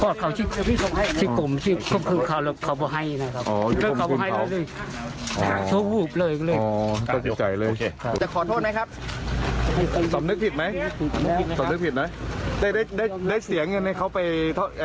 ได้เสียเงินให้เขาไปได้จ่ายเงินให้ไหม